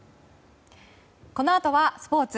このあとはスポーツ。